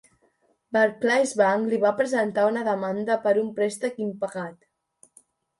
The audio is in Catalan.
Barclays Bank li va presentar una demanda per un préstec impagat.